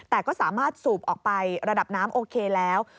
แต่ก็สามารถสูบออกไประดับน้ำโอเคแล้ว